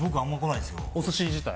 お寿司自体？